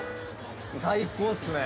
・最高っすね。